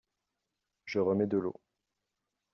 Je remets de l’eau.